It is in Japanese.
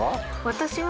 私は。